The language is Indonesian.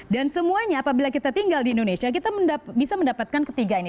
dan semuanya apabila kita tinggal di indonesia kita bisa mendapatkan ketiga ini